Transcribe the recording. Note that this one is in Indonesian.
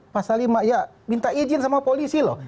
pasal lima ya minta izin sama polisi loh